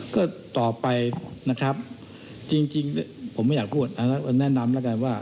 ก็ต่อไปนะครับจริงผมไม่อยากพูดแนะนำแล้วกันว่า